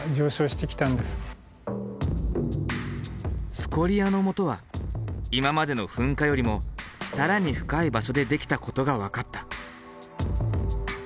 スコリアのもとは今までの噴火よりも更に深い場所でできたことが分かった。